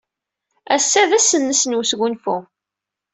Ass-a d ass-nnes n wesgunfu.